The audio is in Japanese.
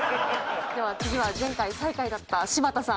では次は前回最下位だった柴田さん